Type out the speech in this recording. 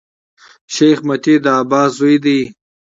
شېخ متي د عباس زوی دﺉ.